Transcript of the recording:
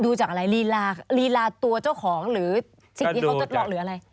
จากอะไรลีลาลีลาตัวเจ้าของหรือสิ่งที่เขาทดลองหรืออะไร